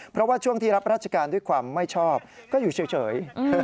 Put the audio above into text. เพราะว่าช่วงที่รับราชการด้วยความไม่ชอบก็อยู่เฉย